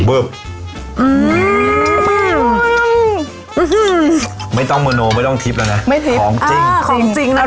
อืมไม่ต้องเมอโนไม่ต้องทริปแล้วนะไม่ทริปของจริงของจริงนะคะ